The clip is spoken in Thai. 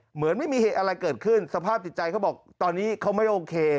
เหมือนไม่มีเหตุอะไรเกิดขึ้นสภาพจิตใจเขาบอกตอนนี้เขาไม่โอเค